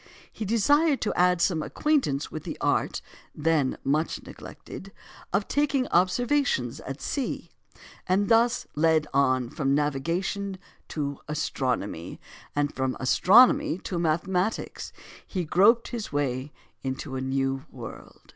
He desired to add some acquaintance with the art (then much neglected) of taking observations at sea; and thus, led on from navigation to astronomy, and from astronomy to mathematics, he groped his way into a new world.